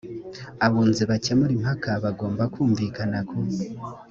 abunzi bakemura impaka bagomba kumvikana ku